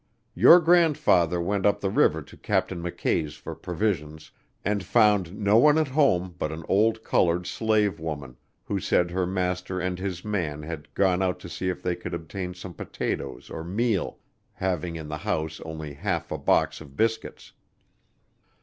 Your grandfather went up the river to Captain McKay's for provisions, and found no one at home but an old colored slave woman, who said her master and his man had gone out to see if they could obtain some potatoes or meal, having in the house only half a box of biscuits.